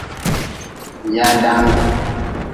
Yadaam.